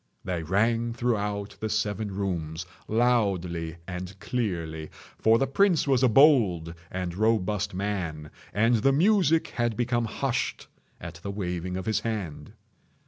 They rang throughout the seven rooms loudly and clearly—for the prince was a bold and robust man, and the music had become hushed at the waving of his hand.